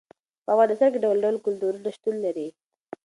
په افغانستان کې ډول ډول کلتورونه شتون لري.